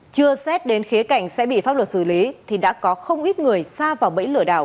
chưa xét đến khía cạnh sẽ bị pháp luật xử lý thì đã có không ít người xa vào bẫy lừa đảo